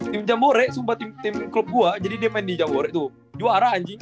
tim jambore sumpah tim klub gue jadi dia main di jambore tuh dua arah anjing